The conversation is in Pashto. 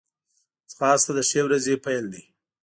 ځغاسته د ښې ورځې پیل دی